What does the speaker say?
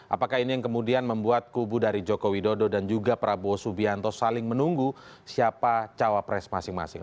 apakah ini yang kemudian membuat kubu dari joko widodo dan juga prabowo subianto saling menunggu siapa cawapres masing masing